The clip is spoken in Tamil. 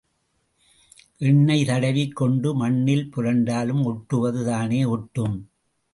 எண்ணெய் தடவிக் கொண்டு மண்ணில் புரண்டாலும் ஒட்டுவது தானே ஒட்டும்?